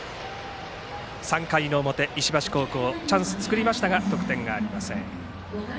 ３回の表、石橋高校はチャンスを作りましたが得点がありません。